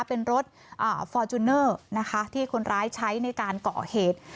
เป็นรถฟอร์จูเนอร์นะคะที่คนร้ายใช้ในการก่อเหตุ